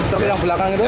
truk yang belakang itu